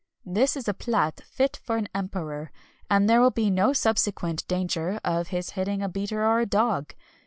This is a plât fit for an emperor, and there will be no subsequent danger of his hitting a beater or a dog.